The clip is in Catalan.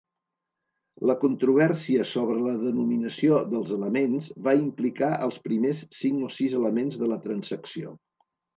La controvèrsia sobre la denominació dels elements va implicar els primers cinc o sis elements de la transacció.